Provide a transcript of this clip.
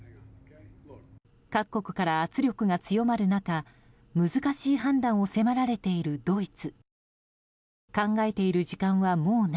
各国から圧力が強まる中難しい判断を迫られているドイツ。